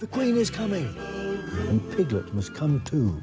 คุณพระเจ้ามาแล้ว